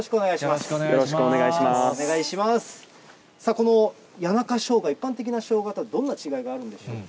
さあ、この谷中ショウガ、一般的なショウガとはどんな違いがあるんでしょうか。